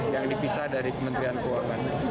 yang dipisah dari kementerian keuangan